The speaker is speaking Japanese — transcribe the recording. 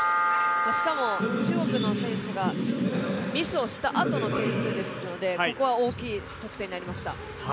しかも中国の選手がミスをしたあとの点数ですのでここは大きい得点になりました。